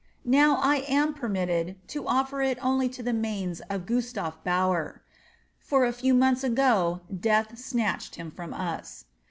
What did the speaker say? Now I am permitted to offer it only to the manes of Gustav Baur; for a few months ago death snatched him from us.